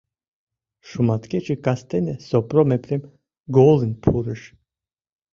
Шуматкече кастене Сопром Епрем голын пурыш.